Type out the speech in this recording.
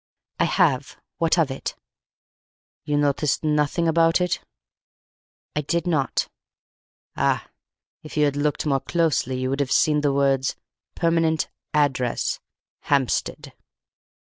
"I have. What of it?" "You noticed nothing about it?" "I did not." "Ah. If you had looked more closely, you would have seen the words, 'Permanent address, Hampstead.'"